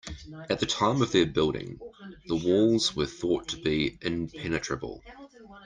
At the time of their building, the walls were thought to be impenetrable.